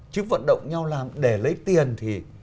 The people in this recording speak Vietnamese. chứ vận động nhau làm để lấy tiền thì